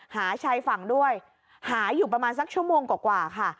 หาชายฝั่งด้วยหาอยู่ประมาณสักชั่วโมงกว่าค่ะ